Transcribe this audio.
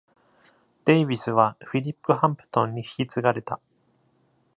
デイヴィスはフィリップ・ハンプトンに引き継がれた。